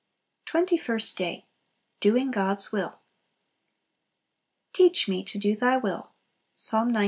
Twenty first Day. Doing God's Will. "Teach me to do Thy will." Ps. cxliii.